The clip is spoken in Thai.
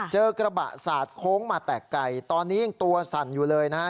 เจอกระบะสาดโค้งมาแตกไก่ตอนนี้ยังตัวสั่นอยู่เลยนะฮะ